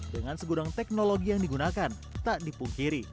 dengan segudang teknologi yang digunakan tak dipungkiri